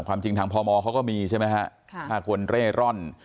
ความจริงทางพมเขาก็มีใช่ไหมฮะ๕คนเร่ร่อน